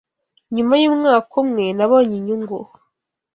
Nyuma y’Umwaka Umwe, Nabonye Inyungu